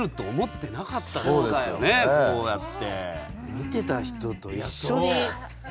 見てた人と一緒に。